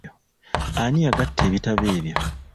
Ani yagatta ebitabo ebyo.